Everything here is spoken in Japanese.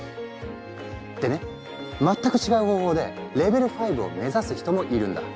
でね全く違う方法でレベル５を目指す人もいるんだ。